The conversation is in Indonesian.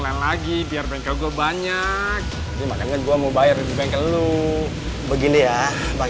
lain lagi biar bengkel banyak dimana gua mau bayar di bengkel lu begini ya bang